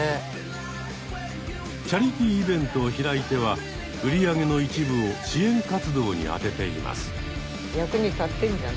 チャリティーイベントを開いては売り上げの一部を支援活動に充てています。